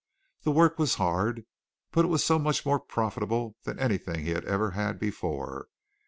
The work was hard, but it was so much more profitable than anything he had ever had before.